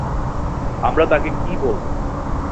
আমি তাকে কী বলবো?